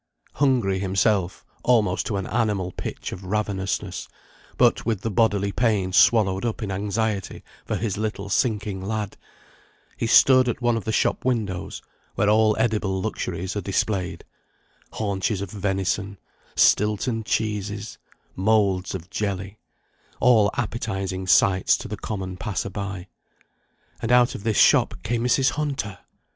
Hungry himself, almost to an animal pitch of ravenousness, but with the bodily pain swallowed up in anxiety for his little sinking lad, he stood at one of the shop windows where all edible luxuries are displayed; haunches of venison, Stilton cheeses, moulds of jelly all appetising sights to the common passer by. And out of this shop came Mrs. Hunter!